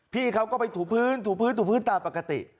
พี่เขาก็ไปถูพื้นถูพื้นถูพื้นตามปกติ